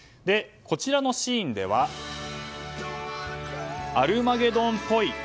こちらのシーンでは「アルマゲドン」っぽい。